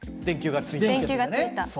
電球がついたね。